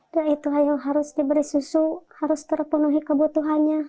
dia itu harus diberi susu harus terpenuhi kebutuhannya